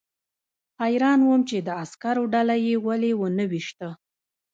حیران وم چې د عسکرو ډله یې ولې ونه ویشته